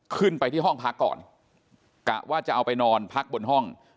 ขึ้นไปที่ห้องพักก่อนกะว่าจะเอาไปนอนพักบนห้อง